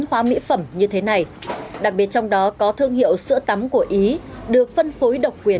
hóa mỹ phẩm như thế này đặc biệt trong đó có thương hiệu sữa tắm của ý được phân phối độc quyền